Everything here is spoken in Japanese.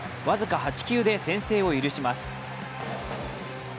僅か８球で先制を許します。